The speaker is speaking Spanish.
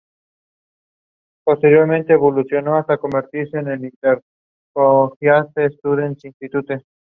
Sus hábitats naturales incluyen praderas, ríos y zonas rocosas.